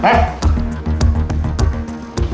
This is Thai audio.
ไป